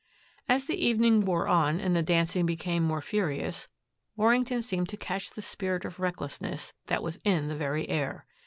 As the evening wore on and the dancing became more furious, Warrington seemed to catch the spirit of recklessness that was in the very air.